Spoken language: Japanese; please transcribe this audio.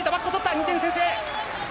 ２点先制！